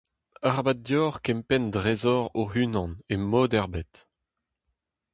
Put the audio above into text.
Arabat deoc'h kempenn drezoc'h hoc'h-unan e mod ebet.